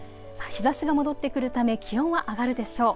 日ざしが戻ってくるため気温は上がるでしょう。